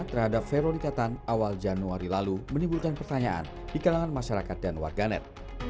terhadap veronica tan awal januari lalu menimbulkan pertanyaan di kalangan masyarakat dan warganet